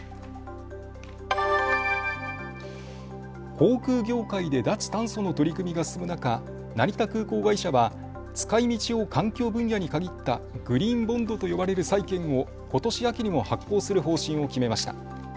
航空業界で脱炭素の取り組みが進む中、成田空港会社は使いみちを環境分野に限ったグリーンボンドと呼ばれる債券をことし秋にも発行する方針を決めました。